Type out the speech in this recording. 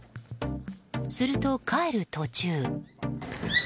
すると、帰る途中。